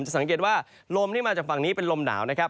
สังเกตว่าลมที่มาจากฝั่งนี้เป็นลมหนาวนะครับ